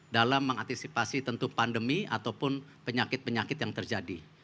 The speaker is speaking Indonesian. dalam mengantisipasi tentu pandemi ataupun penyakit penyakit yang terjadi